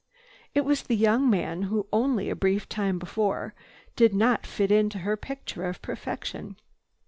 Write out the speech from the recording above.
It was the young man who only a brief time before did not fit into her picture of perfection.